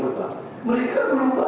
enggak bisa pak